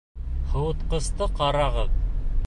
Һыуытҡысты ҡарағыҙ!